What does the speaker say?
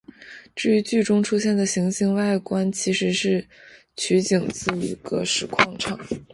至于剧中出现的行星外观其实是取景自一个石矿场。